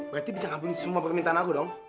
berarti bisa ngampuni semua permintaan aku dong